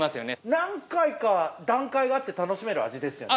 何回かは段階があって楽しめる味ですよね。